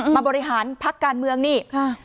มาบริหารพักการเมืองนี่